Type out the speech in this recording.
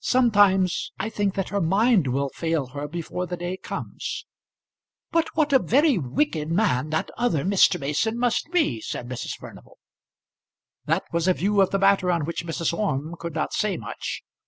Sometimes I think that her mind will fail her before the day comes." "But what a very wicked man that other Mr. Mason must be!" said Mrs. Furnival. That was a view of the matter on which Mrs. Orme could not say much.